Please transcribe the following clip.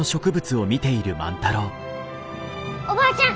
おばあちゃん